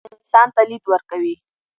پوهه انسان ته لید ورکوي.